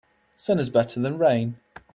Sun is better than rain.